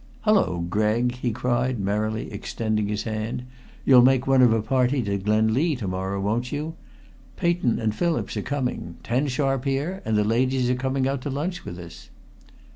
"Hulloa, Gregg!" he cried merrily, extending his hand. "You'll make one of a party to Glenlea to morrow, won't you? Paton and Phillips are coming. Ten sharp here, and the ladies are coming out to lunch with us."